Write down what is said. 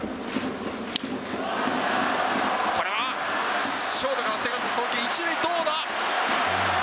これは、ショートがセカンドに送球、１塁どうだ？